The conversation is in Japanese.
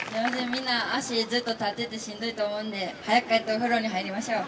みんな足ずっと立っててしんどいと思うんで早く帰ってお風呂に入りましょう。